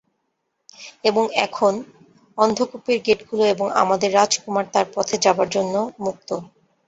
এবং এখন, অন্ধ্কুপের গেটগুলো এবং আমাদের রাজকুমার তার পথে যাবার জন্য মুক্ত।